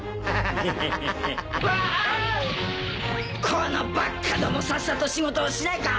このバカどもさっさと仕事をしないか！